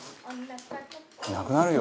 「なくなるよ